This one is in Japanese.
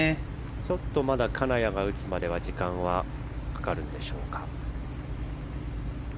ちょっとまだ金谷が打つまでは時間がかかるでしょうか。